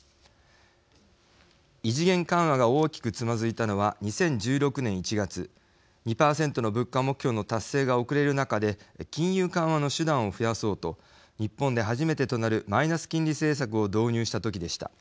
異次元緩和が大きくつまずいたのは２０１６年１月２％の物価目標の達成が遅れる中で金融緩和の手段を増やそうと日本で初めてとなるマイナス金利政策を導入した時でした。